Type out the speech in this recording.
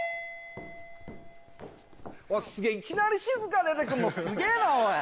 すげぇいきなり静香出て来んのすげぇなおい。